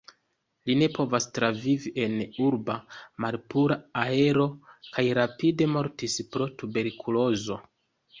Li ne povas travivi en urba malpura aero kaj rapide mortis pro tuberkulozo.